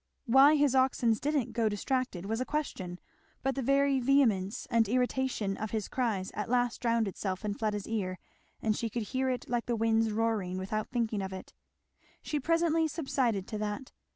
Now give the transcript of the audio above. Why his oxen didn't go distracted was a question; but the very vehemence and iteration of his cries at last drowned itself in Fleda's ear and she could hear it like the wind's roaring, without thinking of it. She presently subsided to that.